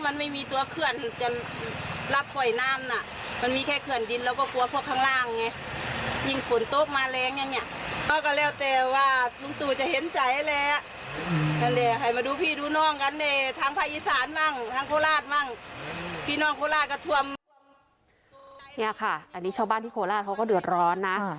นี่ค่ะอันนี้ชาวบ้านที่โคราชเขาก็เดือดร้อนนะ